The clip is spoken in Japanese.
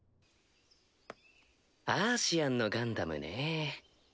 アーシアンのガンダムねぇ。